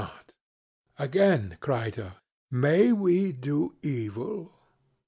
SOCRATES: Again, Crito, may we do evil?